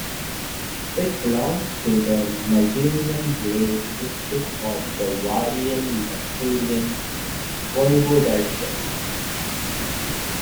It belongs to the Masurian Lake District of the Warmian-Masurian Voivodeship.